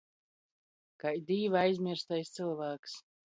Kai Dīva aizmierstais cylvāks.